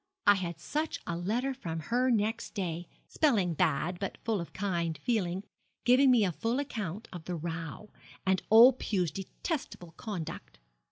I had such a letter from her next day spelling bad, but full of kind feeling giving me a full account of the row, and old Pew's detestable conduct.